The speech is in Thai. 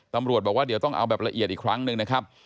ตำรวจบอกว่าเดี๋ยวต้องเอาแบบละเอียดอีกครั้งหนึ่งนะครับ